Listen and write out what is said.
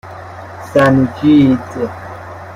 سنجید